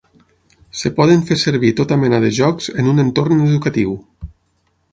Es poden fer servir tota mena de jocs en un entorn educatiu.